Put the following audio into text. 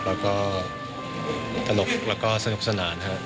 แล้วก็ตลกแล้วก็สนุกสนานครับ